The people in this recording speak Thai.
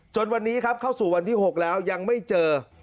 วันนี้ครับเข้าสู่วันที่๖แล้วยังไม่เจอ